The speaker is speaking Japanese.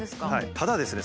ただですね